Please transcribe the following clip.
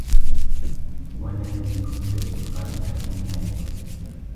وَلَا لِجُودَةِ الْقَرِيحَةِ نِهَايَةٌ